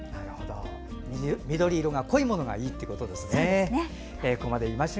緑色が濃いものがいいっていうことですね。